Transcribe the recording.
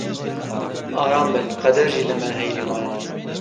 Aram bin, qeder jî li me heyirî maye.